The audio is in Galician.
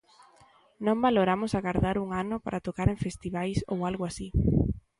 Non valoramos agardar un ano para tocar en festivais ou algo así.